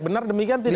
benar demikian tidak